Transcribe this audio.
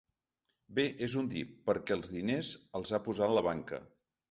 Bé, és un dir, perquè els diners els ha posat la banca.